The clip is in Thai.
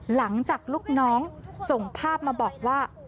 หลังจากลูกน้องส่งภาพมาบอกว่า